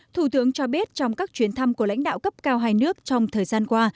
thủ tướng cho biết trong các chuyến thăm của lãnh đạo cấp cao hai nước trong thời gian qua